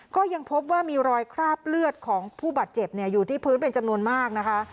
ก็ยังพบว่ามีรอยคราบเลือดของผู้บาดเจ็บอยู่ที่พื้นเป็นจำนวนมากนะคะ